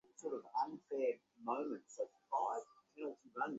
তিনি আবুল-ফজল, আবুল ফদল ও আবুল ফদল 'আল্লামি নামেও পরিচিত।